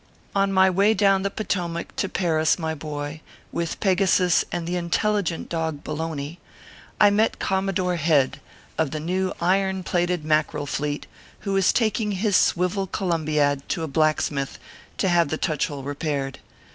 On my way down the Potomac to Paris, my boy, with Pegasus and the intelligent dog Bologna, I met Commodore Head, of the new iron plated Mackerel fleet, who was taking his swivel Columbiad to a blacksmith, to have the touch hole repaired.